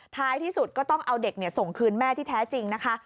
ท้ายที่สุดก็ต้องเอาเด็กส่งคืนแม่ที่แท้จริงนะคะ